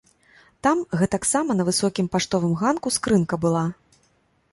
Там гэтаксама на высокім паштовым ганку скрынка была.